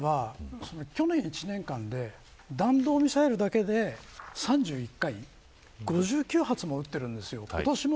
実際、北朝鮮は去年の１年間で弾道ミサイルだけで３１回５９発も打っているんです。